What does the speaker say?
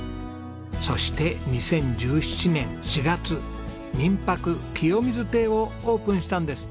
そして２０１７年４月民泊きよみず邸をオープンしたんです！